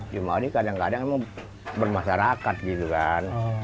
cuma ini kadang kadang emang bermasyarakat gitu kan